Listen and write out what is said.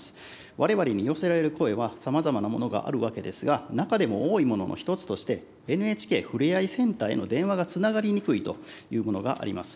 われわれに寄せられる声は、さまざまなものがあるわけですが、中でも多いものの１つとして、ＮＨＫふれあいセンターへの電話がつながりにくいというものがあります。